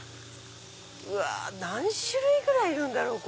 うわ何種類ぐらいいるんだろう？